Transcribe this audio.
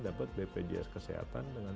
dapat bpjs kesehatan dengan